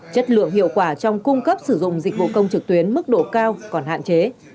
chất lượng hiệu quả trong cung cấp sử dụng dịch vụ công trực tuyến mức độ cao còn hạn chế